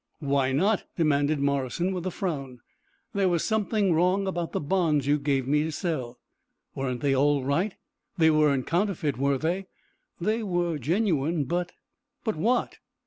"Why not?" demanded Morrison, with a frown. "There was something wrong about the bonds you gave me to sell." "Weren't they all right? They weren't counterfeit, were they?" "They were genuine, but " "But what?"